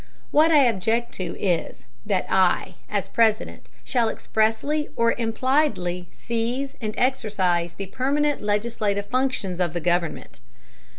What I object to is, that I, as President, shall expressly or impliedly seize and exercize the permanent legislative functions of the government.